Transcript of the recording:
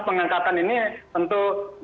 pengangkatan ini tentu